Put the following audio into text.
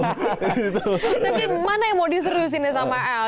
tapi mana yang mau diseriusinnya sama el